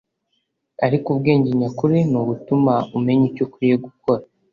Ariko ubwenge nyakuri ni ubutuma umenya icyo ukwiye gukora